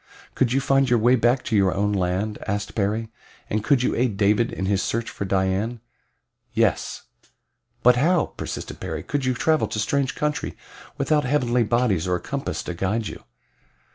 "Could you find your way back to your own land?" asked Perry. "And could you aid David in his search for Dian?" "Yes." "But how," persisted Perry, "could you travel to strange country without heavenly bodies or a compass to guide you?"